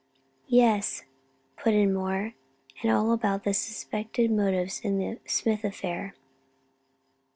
"Yes," put in Moore, "and all about the suspected motives in the Smith affair."